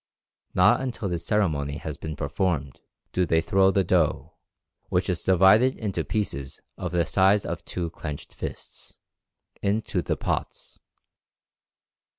Not until this ceremony has been performed do they throw the dough, which is divided into pieces of the size of two clenched fists, into the pots.